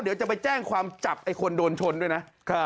เดี๋ยวจะไปแจ้งความจับไอ้คนโดนชนด้วยนะ